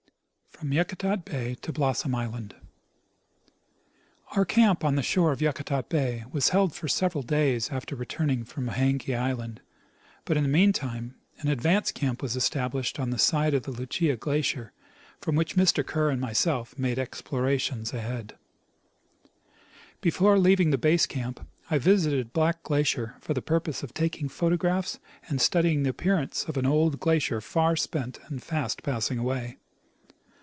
From Yakutat Bay to Blossom Island. Our camp on the shore of Yakutat bay was held for several days after returning from Haenke island, but in the meantime an advance camp was established on the side of the Lucia glacier, from which Mr. Kerr and myself made explorations ahead. 104 L C. Bussdl — Expedition to Mount tit. Ellas. . Before leaving the base camp I visited Black glacier for the purpose of taking photographs and studying the appearance of an old glacier far spent and fast passing away.